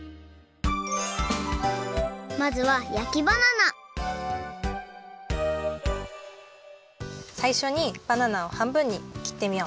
まずはさいしょにバナナをはんぶんにきってみよう。